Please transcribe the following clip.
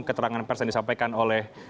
keterangan pers yang disampaikan oleh